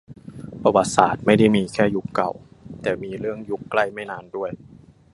ประวัติศาสตร์ไม่ได้มีแค่ยุคเก่า แต่มีเรื่องยุคใกล้ไม่นานด้วย